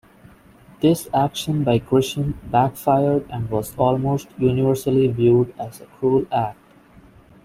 This action by Grishin backfired and was almost universally viewed as a cruel act.